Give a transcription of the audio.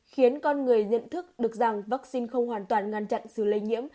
khiến con người nhận thức được rằng vaccine không hoàn toàn ngăn chặn sự lây nhiễm